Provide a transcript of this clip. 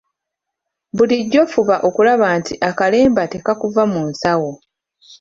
Bulijjo fuba okulaba nti akalemba tekakuva mu nsawo.